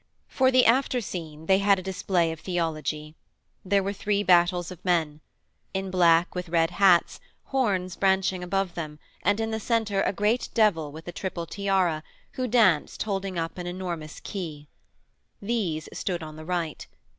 For the after scene they had a display of theology. There were three battles of men. In black with red hats, horns branching above them and in the centre a great devil with a triple tiara, who danced holding up an enormous key. These stood on the right.